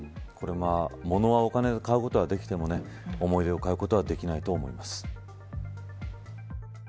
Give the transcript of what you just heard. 物はお金で買うことはできても思い出を買うことはできない